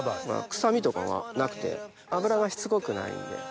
臭みとかはなくて脂がしつこくないんで。